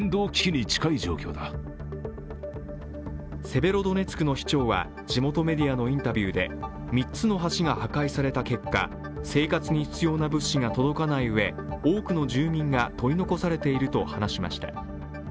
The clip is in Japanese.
セベロドネツクの市長は地元メディアのインタビューで３つの橋が破壊された結果、生活に必要な物資が届かないうえ多くの住民が取り残されていると話しました。